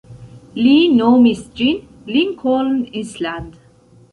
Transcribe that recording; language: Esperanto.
Li nomis ĝin Lincoln Island.